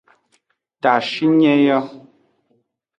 Tashinyi yo.